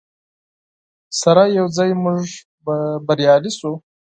سره یوځای موږ به بریالي شو.